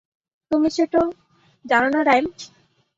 তুমি সেটা জানো না, রাইম।